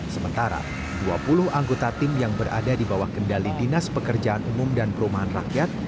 sementara dua puluh anggota tim yang berada di bawah kendali dinas pekerjaan umum dan perumahan rakyat